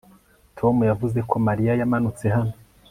Tom yavuze ko Mariya yamanutse hano